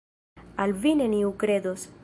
Al vi neniu kredos.